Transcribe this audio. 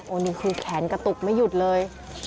อันนี้คือแขนกระตุกไม่หยุดเลย